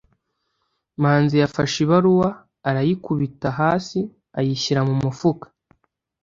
manzi yafashe ibaruwa, arayikubita hasi ayishyira mu mufuka